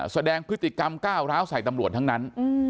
แสดงพฤติกรรมก้าวร้าวใส่ตำรวจทั้งนั้น